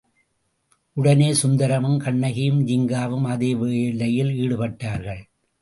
உடனே சுந்தரமும் கண்ணகியும் ஜின்காவும் அதே வேலையில் ஈடுபட்டார்கள்.